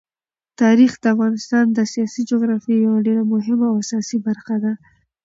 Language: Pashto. تاریخ د افغانستان د سیاسي جغرافیې یوه ډېره مهمه او اساسي برخه ده.